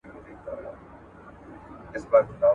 خدایه د شپېتو بړېڅو ټولي سوې کمبلي